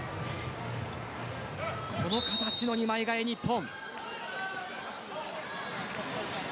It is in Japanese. この形の２枚代え、日本。